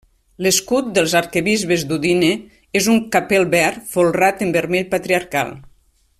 L'escut dels arquebisbes d'Udine és un capel verd, folrat en vermell patriarcal.